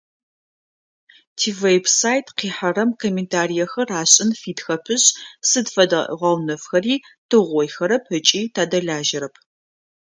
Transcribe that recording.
Тивеб-сайт къихьэрэм комментариехэр ашӏын фитхэпышъ, сыд фэдэ гъэунэфхэри тыугъоихэрэп ыкӏи тадэлажьэрэп.